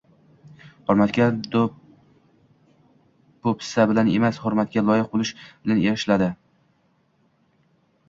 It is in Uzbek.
Hurmatga do‘q-po‘pisa bilan emas, hurmatga loyiq bo‘lish bilan erishiladi.